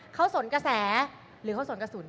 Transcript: เขาสนกระแสหรือเขาสนกระสุน